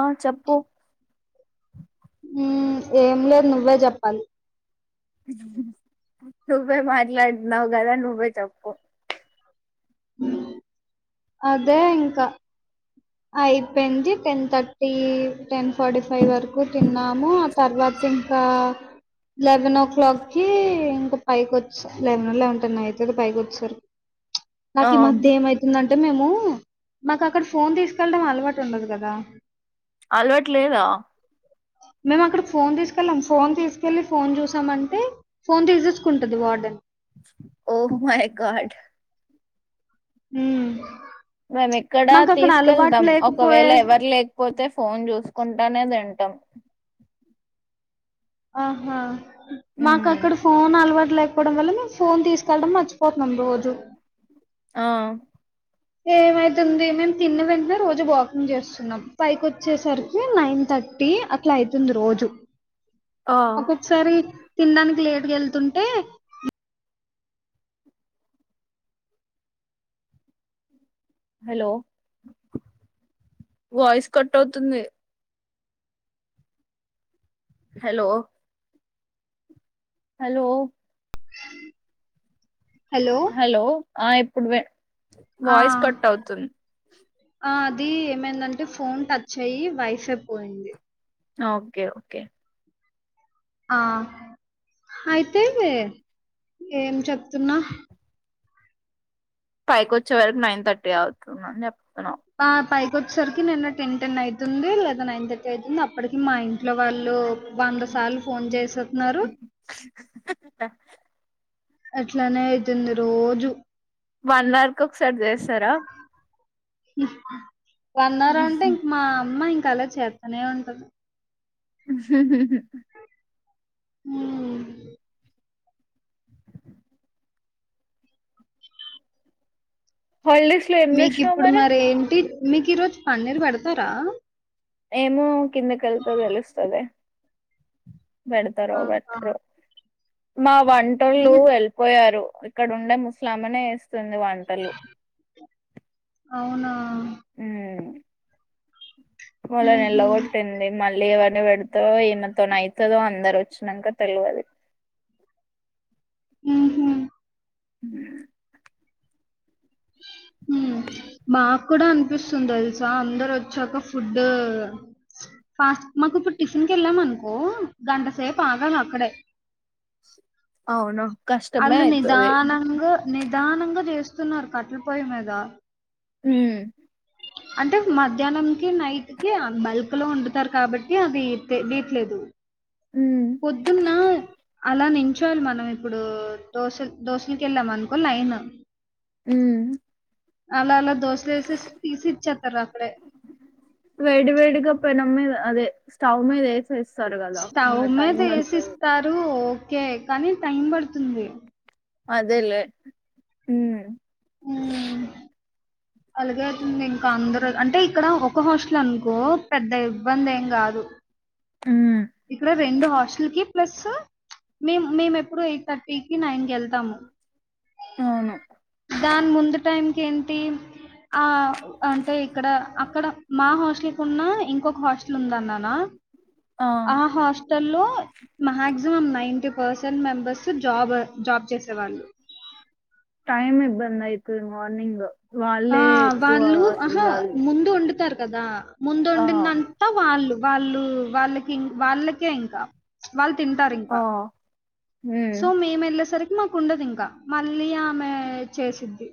ఆ చెప్పు ఉమ్ ఏం లేద్ నువ్వే జెప్పాలి? నువ్వే మాట్లాడ్ద్నావ్ గదా నువ్వే చెప్పు అదే ఇంకా ఐపేంది ten thirty, ten forty five వరకు తిన్నాము ఆ తర్వాత ఇంకా లెవెన్ ఓ క్లాక్కిి ఇంకా పైకి వచ్చ లెవెన్ఓ లెవెన్ టెన్ అయితది పైకి వచ్చారు ఆ నాకి ఈ మధ్య ఏమైతుందంటే మేము మాకు అక్కడ ఫోన్ తీసుకు కెళ్లడం అలవాటు ఉండదు కదా అలవాట్లేదా మేము అక్కడికి ఫోన్ తీసుకెళ్లం, ఫోన్ తీసుకెళ్ళి ఫోన్ చూసామంటే ఫోన్ తీసేసుకుంటది వార్డెన్ ఓ మై గార్డ్ ఉమ్ మేము ఎక్కడ తీసుకెళ్తాం ఒకవేళ లేకపోయే ఎవర్ లేక్పోతే ఫోన్ చూసుకుంటానే తిం టం ఆహా మాకు మ్మ్ అక్కడ ఫోన్ అలవాట్లే వడం వల్ల మేము ఫోన్ తీసుకెళ్లడం మర్చిపోతున్నాం రోజు ఆ ఏమైతుంది మేము తిని వెంటనే రోజు వాకింగ్ చేస్తున్నాం పైకి వచ్చేసరికి నైన్ థర్ ట్టి అట్లా అయితుంది రోజు ఆ ఒక్కొక్కసారి తినడానికి లేట్గా వెళ్తుంటే హలో వాయిస్ కట్ అవుతుంది హలో హలో హలో ఆ ఇప్పుడు వే ఆ వాయిస్ కట్ అవుతుంద్ ఆ అది ఏమైందంటే ఫోన్ టచ్ అయ్యి వైఫై పోయింది ఓకే ఓకే ఆ అయితే ఏం చెప్తున్నా? పెకోచ్చేవరకు నైన్ థర్టీ అవుతుందని చెప్తున్నావ్ ఆ పైకి వచ్చేసరికి నిన్న టెన్ టెన్ అయితుంది లేదా నైన్ థర్టీ అవుతుంది అప్పడికి మా ఇంట్లో వాళ్ళు వంద సార్లు ఫోన్ చేసేత్నారు అట్లనే అయితుంది రోజు వనర్క్ ఒకసారి చేస్తారా? వన్ అవర్ అంటే ఇంక మా అమ్మ ఇంకా అలా చేత్తనే ఉంటది హ ఊ హాలిడేస్ లో ఏం చేసినావు మీకిప్పుడు మరి మరేంటి మీకు ఈరోజు పన్నీర్ పెడతారా? ఏమో కిందకెళ్తో తెలుస్తాదె పెడతారో ఆహా! పెట్రో మా వంటోళ్ళు మీరు వెళ్ళిపోయారు ఇక్కడ ఉండే ముస్లామనే ఏస్తుంది వంటలు అవునా ఊ వాళ్లని ఎల్ల హుహు. గొట్టింది మల్ మళ్ళీ ఏవర్ని పెడతో ఈన్నతోన ఐతదో అందరు వచ్చినాక తెలియదు ఉహు ఊ [unintelligible] ఉ మాకు కూడా అనిపిస్తుంది తెలుసా అందరు వచ్చాక ఫుడ్ ఫాస్ట్ మాకు ఇప్పుడు టిఫిన్ వెళ్ళాం అనుకో గంటసేపు ఆగాలి అక్కడే అవును కష్టమే ఆళ్ళు అయితది నిదానంగా నిదానంగా చేస్తున్నారు కట్ల పొయ్యి మీద ఊ అంటే మధ్యాహ్నంకి నైట్ కి ఆ బల్క్ లో వండుతారు కాబట్టి అది తెలియట్లేదు ఉమ్ పొద్దున్నా అలా నించోలి మనం ఇప్పుడు దోసలు దోసలకు వెళ్ళాం అనుకో లైను ఊ అల అలా దోసలేసేసి వేడి వేడిగా పెనం మీద అదే స్టవ్ మీద ఏసి స్టవ్ మీద వేసి ఇస్తారు ఓకే కానీ టైం పడుతుంది అదేలే ఊ ఊ అలాగే అతుంది ఇంకా అందరు అంటే ఇక్కడ ఒక హాస్టల్ ఏ అనుకో పెద్ద ఇబ్బంది ఏం కాదు ఉమ్ ఇక్కడ రెండు హాస్టల్ కి ప్లస్ మేమ్ మేము ఎప్పుడు ఎయిట్ థర్టీకి నైన్ కి వెళ్తాము అవును దాని ముందు టైం కి ఏంటి ఆ అంటే ఇక్కడ అక్కడ మా హాస్టల్ కున్న ఇంకొక హాస్టల్ ఉందన్నానా ఆ హాస్ట్ లో మాక్సిమం నైన్టీ పర్సెంట్ మెంబర్స్ జాబర్ జాబ్ చేసేవాళ్ళు టైమ్ ఇబ్బదయితుంది మార్నింగ్ ఆ వాళ్ళే ఎక్కువ వాళ్ళు ఆహా వెళ్ళాలి ముందు వండుతారు కదా ఆ ముందొండిందంతా వాళ్ళు వాళ్ళు వాళ్ళకిం వాళ్ళకే ఇంకా వాళ్ తింటారు ఆ ఇంకా ఉమ్ సో మేము వెళ్లే సరికి మాకుండదు ఇంకా మళ్ళీ ఆమె చేసిద్ది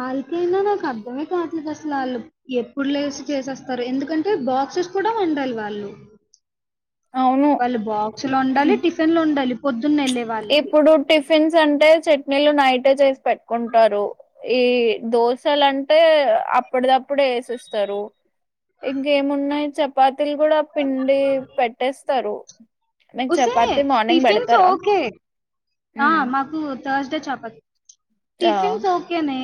వాళ్ళకైనా నాకు అర్ధమే కావట్లేదు అసలు వాళ్ళు ఎప్పుడు లేసి చేసేస్తారు ఎందుకంటే బా బాక్సెస్ కూడా ఒండాలి వాళ్ళు అవును వాళ్ళు బాక్స్ లు ఒండాలి టిఫిన్ లు ఒండాలి ఇప్పుడు టిఫిన్స్ అంటే చట్నీలు నైటే చేసి పెట్ కుంటారు ఈ దోశలంటే అప్పడిదప్పుడే వేసిస్తారు ఇంకేమున్నాయి చపాతీలు కూడా పిండి పెట్టేస్తారు మేం చపాతి మార్నింగ్ బడెత్ చోకే ఆ మాకు థర్స్డే చపత్ ఆ టిఫిన్స్ ఓకే నే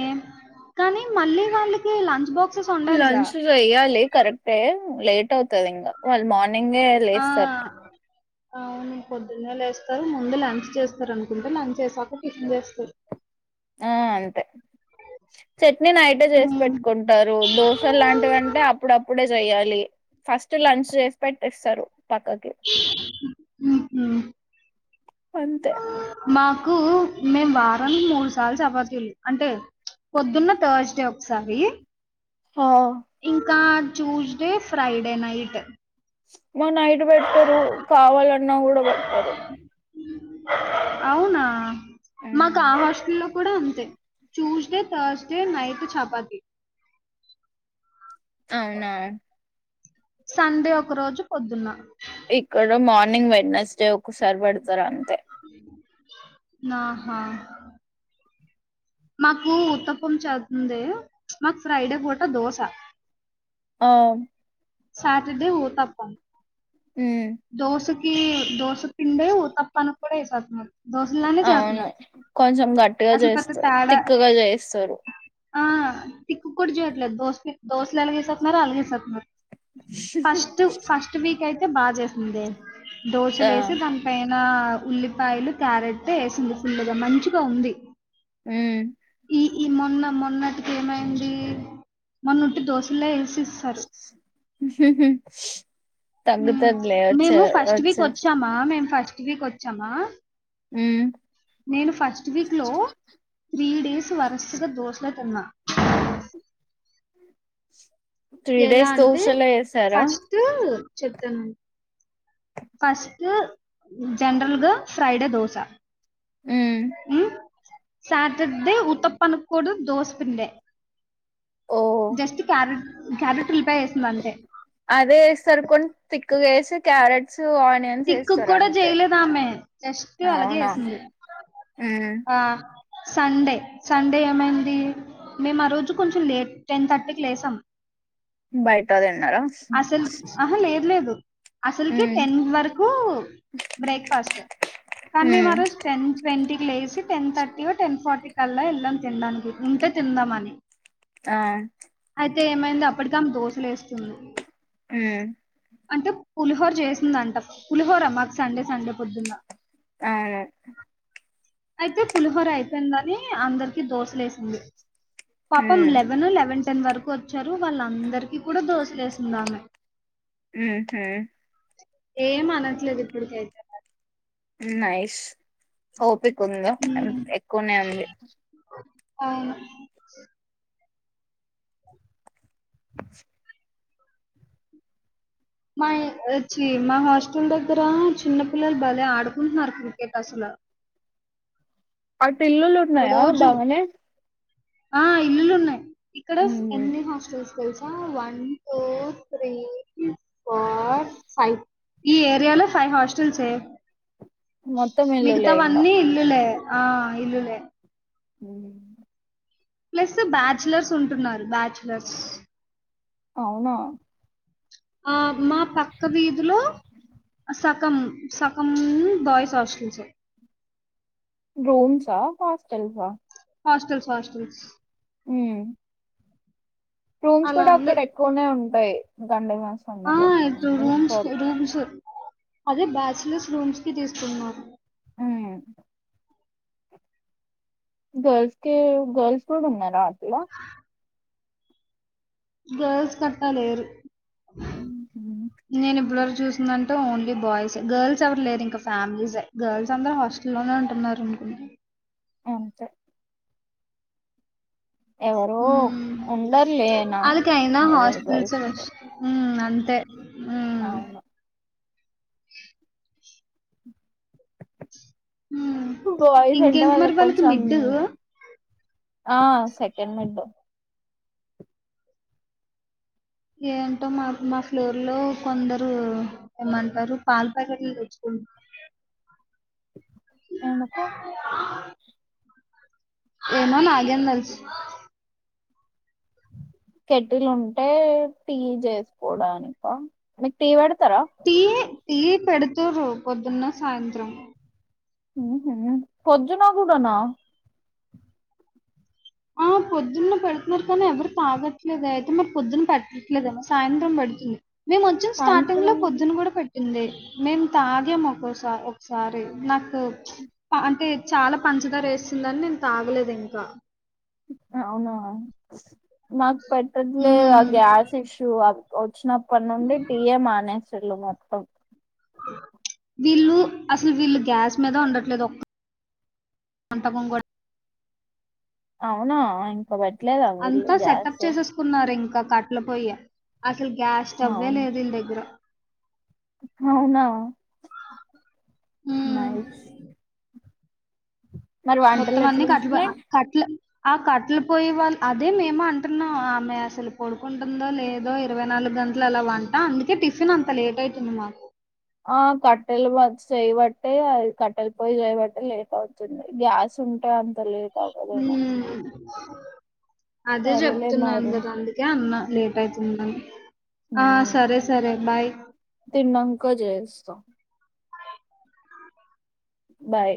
కానీ మళ్ళీ వాళ్ళకి లంచ్ బాక్స్ లంచ్ చేయ్యాలి కరెక్టే లేట్ అవుతది ఇంకా వాళ్ళు మార్నింగ్ నింగే ఆ! లేస్తర్ అవును పొద్దున్నే లేస్తారు ముందు లంచు చేస్తరునుకుంట లంచేసాక టిఫిన్ జేస్తారు ఆ అంతే చెట్నీనైటే జేసి హ్మ్. పెట్ట్కుంటారు దోశ లాంటివి అంటే అప్పుడప్పుడే జెయ్యాలి ఫస్ట్ లంచ్ చేసి పెట్టెస్తారు పక్కకి మ్ అంతే మాకు మేం వారానికి మూడు సార్లు చపాతీల్ అంటే పొద్దున్న థర్స్ డే ఒకసారి హో ఇంకా చూస్డే ఫ్రైడే నైటు అమ్మొ నైటు బెట్టరు కావాలన్నా గుడా బెట్టరు అవునా మాకు మ్మ్ ఆ హాస్టల్లో కూడా అంతే ట్యూస్డే థర్స్డే నైటు చపాతి అవునా సండే ఒక రోజు పొద్దున ఇక్కడ మార్నింగ్ వెగ్నస్డే ఒకసారి బెడతారు అంతే నాహా మాకు ఉత్తపం చదుతుందే మాకు ఫ్రైడే పూట దోశ ఆమ్ సాటర్డే ఊతప్పం ఉమ్ దోషకి దోసప్ పిండే ఊతప్పానుక్కుడా ఏసేత్తన్నారు అవును కొంచం గట్టిగా అసలు పెద్ద జేస్తారు తేడా తిక్కుగ జేస్తారు ఆ తిక్కుక్కుడ జేయట్లేదు దోస్ కే దోస్లెల జేసేత్తన్నారో అలాగేఏసేత్తున్నారు ఫస్టు ఫస్ట్ వీక్ అయితే బాగ్జేసిందే ఆ దోశలేసి దానిపై నా ఉల్లిపాయలు క్యారెట్టు ఏసింది ఫుల్లుగా మంచిగా ఉంది ఊ ఈ ఈ మొన్న మొన్నటికి ఏమైంది మొన్నొట్టి దోశలే ఏస్ ఊ తగ్గుతదిలే వచ్చే మేము వచ్చే ఫస్టువీకొచ్చామా మేమ్ ఫస్టు వీకొచ్చామా ఉమ్ నేను ఫస్టువీక్లో త్రీడేసు వరస్గా దోస్లే తిన్నా త్రీ ఎలా డేస్ అంటే దోశలే వేసారా ఫస్టు చొప్తానున్ ఫస్టం జండ్రల్గా ఫ్రైడే దోశ ఉమ్ ఉ సాటర్డే ఉతప్పాన్ క్కూడ దోస్పిండే ఓ జస్టు క్యారెట్ క్యారెట్ ఉల్లిపాయ ఏసిందంతే తే క్యారెట్సు తిక్కుకి ఆనియన్సేస్తారు కూడా అంతే చేయలేదామె. జస్ట్ అలాగే అవునా ఏసింది. ఊ ఆ! సండే సండే ఏమైంది మేము ఆ రోజు కొంచెం లేట్ టెన్ థర్టీకి లేసాం బయట తిన్నారా అసల్ అహ లేదు లేదు అసల్కె ఉమ్ టెన్ వర కు బ్రేక్ఫాస్టు కానీ ఉమ్ మేమారోజ్ టెన్ ట్వంటీకి లే సి టెన్ థర్టీ ఓ టెన్ ఫార్టీ కల్లా ఎళ్ళాం తిండానికి ఉంటే తిందామని ఆ ఐతే ఏమైంది అప్పటికామ్ దోసలేస్తుంది ఊ అంటే పులిహోర జేసిందంట పులిహోరా మాకు సండే సండే పొద్దున ఆ అయితే పులిహోర అయిపేయిందని అందరికి దోసలేసింది పాపం ఉమ్ లెవెన్ లెవెన్ టెన్ వరకు వచ్చారు వాళ్ళ అందరికి కూడా దోసలేసింది ఆమె ఉహుమ్ ఏం అనట్లేదు ఇప్పుటికైతే మరి నైస్ ఓపిక ఉందా ఆ హ్మ్. ఎక్కువనే ఉంది ఆ [inaudible] మా యచ్చి మా హాస్టల్ దగ్గర చిన్న పిల్లలు భలే ఆడుకుంటున్నారు క్రికెట్ అసల [inaudible] అటు ఇల్లులు ఉన్నాయా రోజు బాగానే ఆ ఇల్లులు ఉన్నయ్ ఇక్కడ ఉమ్ ఎన్ని హాస్టల్స్ తెల్సా one two three four five ఈ ఏరియాలో ఫైవ్ హాస్టల్సే మొత్తం ఇల్లులే ఇంగా మిగతావన్నీ ఇల్లులే ఆ ఇల్లులే ఉమ్ ప్లస్ బ్యాచలర్స్ ఉంటున్నారు బ్యాచలర్స్ అవునా ఆ మా పక్క వీధిలో సక్ గం సకం బాయ్స్ హాస్టల్స్ రూమ్స్ ఆ హాస్టల్స్ ఆ హాస్టల్స్ హాస్టల్స్ ఉమ్ రూమ్స్ అలా కూడా అక్కడ ఎక్కువనే ఉంటాయి దండిగా ఆహ్ ఐదు రూమ్స్ రూమ్స్ అదే బ్యాచలర్స్ రూమ్స్ కి తీసుకున్నారు ఉమ్ గర్ల్స్ కే గర్ల్స్ కూడా ఉన్నారా అట్లా గర్ల్స్ కి అట్లా లేరు ఉహుమ్ చూస్తుందంటే ఓన్లీ బాయ్స్ ఏ గర్ల్స్ ఎవరు లేరు ఇంకా ఫ్యామిలీసే గర్ల్స్ అందరు హాస్టల్లోనే ఉంటున్నారు ఉమ్ అంతే ఎవరో ఉమ్ ఉండర్లే నా అల్లాకి అయినా ఎవరు హాస్టల్స్ గర్ల్స్ ఉండరు వచ్చినాయి ఉమ్ అంతే హ్మ్. అవును [inaudible] హ్మ్. బాయ్స్ అంటే ఇంకేంటి మరి వాళ్ళకి కొంచం మిడ్డు? ఆ సెకండ్ మిడ్ ఏంటో మరి మా ఫ్లోర్ లో కొందరు ఏమంటారు పాల్ ప్యాకెట్లు తెచ్చుకు ఎందుకు? ఏమో నాగేం తెలుసు కేటిలు ఉంటే టీ చేసుకోవడానికా మీకు టీ వేడ్ టీ టీ పెడుతారు పొద్దున్న సాయంత్రం పొద్దున కూడనా ఆ పొద్దున్న పెడుతున్నారు కానీ ఎవరు తాగట్లేదు అయితే మరి పొద్దున్న పెట్టట్లేదెమో సాయంత్రం పెడ మేము వచ్చిన సాయంత్రం స్టార్టింగ్ లో పొద్దున్న కూడా పెట్ పెట్టింది మేము తాగం ఒకొసా ఒకసారి నాకు అంటే చాలా పంచదార వేస్తుందని నేను తాగలేదు ఇంకా అవునా నాకు పట్టట్లేదు ఆ మ్మ్. గ్యాస్ ఇష్యూ వచ్చినప్పటి నుండి టీ ఏం మానేసిళ్ళు మొత్తం వీళ్ళు అసలు వీళ్ళు గ్యాస్ మీద వండట్లేదు ఒక్క అంతా మంద అవునా ఇంకా పట్ అంతా సెటప్ చేసేసుకున్నారు ఇంకా ఇంకా కట్టెలు పోయ అసలు గ్యాస్ స్టవే అవును లేదు వీళ్ళ దగ్గర అవునా హ్మ్. నైస్ మరి వంటలు మొత్తం ఎట్లా అన్ని కట్ల ఉంటున్నాయి కట్ల ఆ కట్టలు పోయే వాళ్ళ అదే మేము అంటున్నా ఆమె అసలు పడుకుంటుందో లేదో ఇరవై నాలుగు గ దాంట్లాలో వంట అందుకే టిఫిన్ అంత లేట్ అయితుంది నాకు ఆ కట్టెలు చేయబట్టే అది కట్టెలు పోయి చేయబట్టే లేట్ అవుతుంది గ్యాస్ తుంటే అంతలేట్ అవ్వదేమో హ్మ్. అదే సరేలే చెప్తున్నాను మరి కదా అందుకే అన్న లేట్ అయితుందని ఆ సరే సరే బాయ్ తిన్నాంక చేస్తా బాయ్